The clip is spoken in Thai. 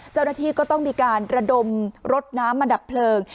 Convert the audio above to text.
เจ้าหน้าที่ก็ต้องมีการระดมรถน้ำมาดับเพลิง